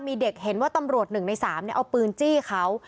มีเด็กเห็นว่าตำรวจ๑ใน๓เอาปืนจี้เขา